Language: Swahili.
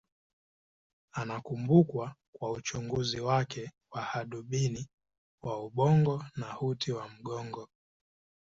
Anakumbukwa kwa uchunguzi wake wa hadubini wa ubongo na uti wa mgongo.